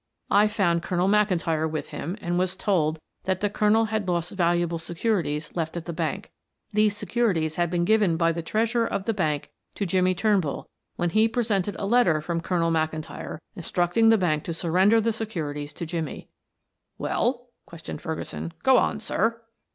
"I found Colonel McIntyre with him and was told that the Colonel had lost valuable securities left at the bank. These securities had been given by the treasurer of the bank to Jimmie Turnbull when he presented a letter from Colonel McIntyre instructing the bank to surrender the securities to Jimmie." "Well?" questioned Ferguson. "Go on, sir."